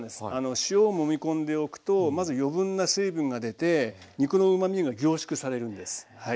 塩をもみこんでおくとまず余分な水分が出て肉のうまみが凝縮されるんですはい。